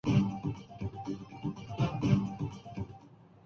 جو یَہاں کا جنگلات کےحسن کو چار چاند لگنا دینا ہونا